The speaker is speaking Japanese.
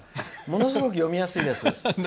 ものすごく読みやすいです。